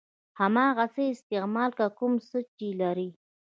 هماغه څه استعمال کړه کوم څه چې لرئ.